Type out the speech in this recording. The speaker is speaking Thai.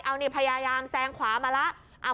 เอานี่พยายามแซงขวามาแล้ว